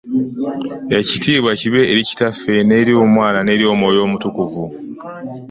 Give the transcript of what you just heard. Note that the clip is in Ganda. Ekitiibwa kibe eri kitaffe neri omwana neri omwoyo omutukuvu.